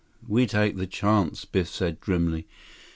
"We take that chance," Biff said grimly.